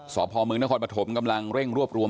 สพมนปฐมกำลังเร่งรวบรวม